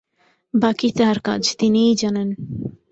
বাকী তাঁর কাজ, তিনিই জানেন।